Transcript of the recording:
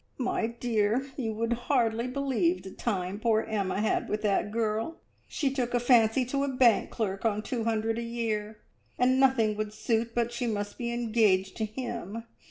"My dear, you would hardly believe the time poor Emma had with that girl! She took a fancy to a bank clerk on two hundred a year, and nothing would suit but she must be engaged to him.